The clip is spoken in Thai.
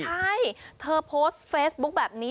ใช่เธอโพสต์เฟซบุ๊คแบบนี้